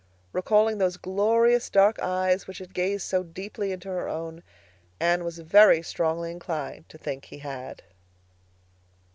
Recalling those glorious dark eyes which had gazed so deeply into her own, Anne was very strongly inclined to think he had.